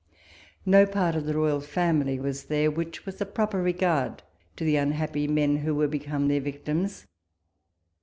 No part of the royal family was there, which was a proper regard to the unhappy men, who WALPOLE S LETTERS. 47 were become their victims.